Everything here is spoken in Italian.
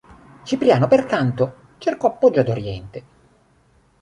Cipriano, pertanto, cercò appoggio ad oriente.